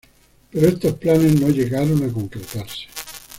Pero estos planes no llegaron a concretarse.